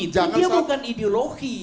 jadi dia bukan ideologi